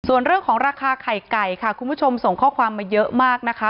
ส่วนเรื่องของราคาไข่ไก่ค่ะคุณผู้ชมส่งข้อความมาเยอะมากนะคะ